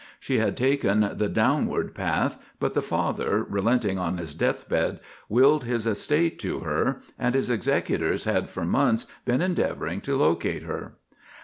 She had taken the downward path, but the father, relenting on his death bed, willed his estate to her, and his executors had for months been endeavouring to locate her.